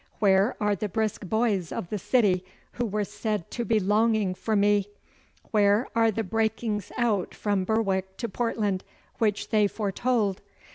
Where are the brisk boys of the City who were said to be longing for me? Where are the breakings out from Berwick to Portland which they foretold?